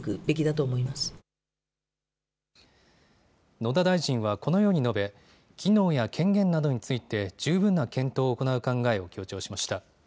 野田大臣はこのように述べ、機能や権限などについて十分な検討を行う考えを強調しました。